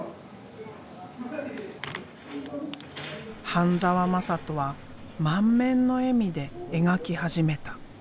半澤真人は満面の笑みで描き始めた。